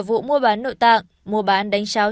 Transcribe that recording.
vụ mua bán nội tạng mua bán đánh cháo